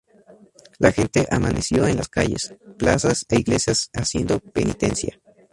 La gente amaneció en las calles, plazas e iglesias haciendo penitencia.